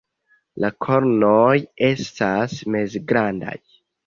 La kornoj estas mezgrandaj.